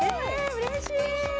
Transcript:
うれしい！